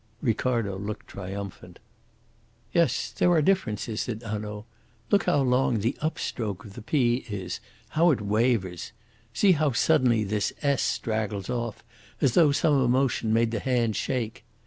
Ricardo looked triumphant. "Yes, there are differences," said Hanaud. "Look how long the up stroke of the 'p' is, how it wavers! See how suddenly this 's' straggles off, as though some emotion made the hand shake.